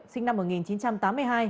sinh năm một nghìn chín trăm tám mươi hai